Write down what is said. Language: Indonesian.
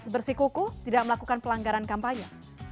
bersikuku tidak melakukan pelanggaran kampanye